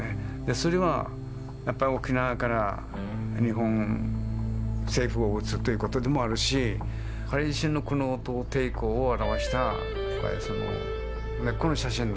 それはやっぱり沖縄から日本政府を撃つということでもあるし彼自身の苦悩と抵抗を表した根っこの写真だっていうふうに思いますね。